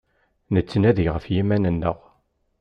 Nettnadi γef yiman-nneγ.